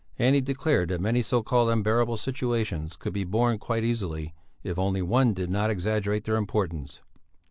And he declared that many so called unbearable situations could be borne quite easily if only one did not exaggerate their importance.